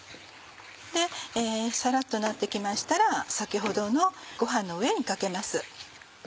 サラっとなって来ましたら先ほどのご飯の上にかけます。